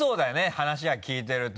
話は聞いてると。